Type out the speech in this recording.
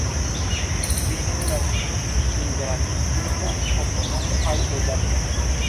Fine de la pligrandigita komunumo havis loĝantojn.